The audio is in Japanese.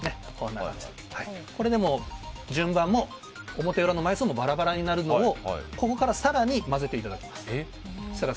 これでもう順番も表裏の枚数もバラバラになるのをここから更に混ぜていただきます